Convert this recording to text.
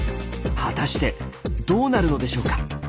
果たしてどうなるのでしょうか？